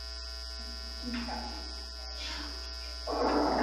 Tathmini ya awali inaonesha suala la Mazingira halijapewa kipaumbele